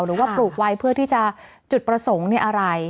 หรือว่าปลูกไว้เพื่อที่จะจุดประสงค์อะไร